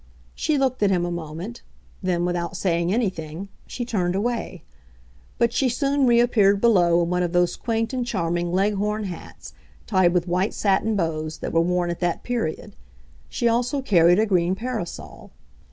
She looked at him a moment; then, without saying anything, she turned away. But she soon reappeared below in one of those quaint and charming Leghorn hats, tied with white satin bows, that were worn at that period; she also carried a green parasol.